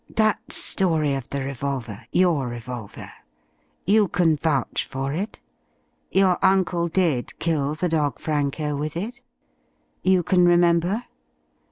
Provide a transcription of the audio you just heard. That story of the revolver your revolver. You can vouch for it? Your uncle did kill the dog Franco with it? You can remember?